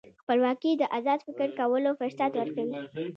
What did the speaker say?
خپلواکي د ازاد فکر کولو فرصت ورکوي.